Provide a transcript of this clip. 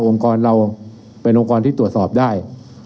กรเราเป็นองค์กรที่ตรวจสอบได้